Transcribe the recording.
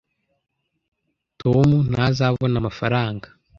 tom ntazabona amafaranga